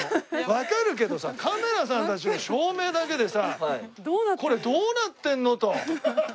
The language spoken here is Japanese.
わかるけどさカメラさんたちの照明だけでさこれどうなってるの？と。